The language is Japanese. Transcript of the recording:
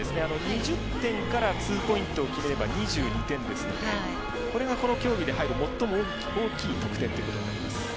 ２０点から２ポイントを決めれば２２点ですのでそれがこの競技で入る最も大きい得点となります。